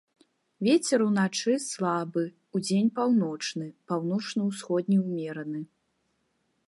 Вецер уначы слабы, удзень паўночны, паўночна-ўсходні ўмераны.